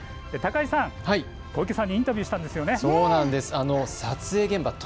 高井さん、小池さんにインタビューしたんですよね。